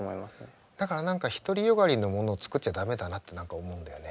だから何か独り善がりのものを作っちゃ駄目だなって何か思うんだよね。